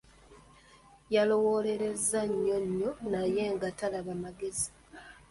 Yalowoolereza nnyo nnyo naye nga talaba magezi.